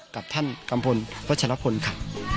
กับท่านกัมพลวัชรพลค่ะ